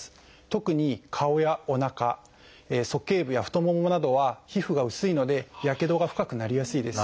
特に顔やおなかそけい部や太ももなどは皮膚が薄いのでやけどが深くなりやすいです。